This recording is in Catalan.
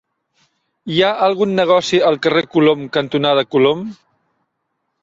Hi ha algun negoci al carrer Colom cantonada Colom?